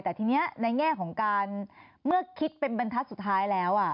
แต่ทีนี้ในแง่ของการเมื่อคิดเป็นบรรทัศน์สุดท้ายแล้ว